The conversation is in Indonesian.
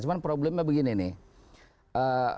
cuma problemnya begini nih